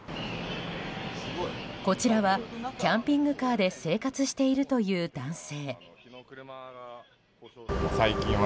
こちらはキャンピングカーで生活しているという男性。